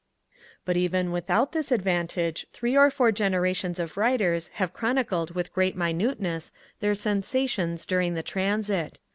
But even without this advantage, three or four generations of writers have chronicled with great minuteness their sensations during the transit.